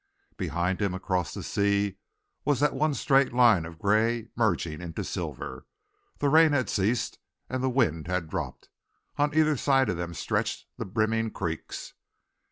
Behind him, across the sea, was that one straight line of grey merging into silver. The rain had ceased and the wind had dropped. On either side of them stretched the brimming creeks.